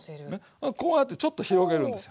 こうやってちょっと広げるんですよ。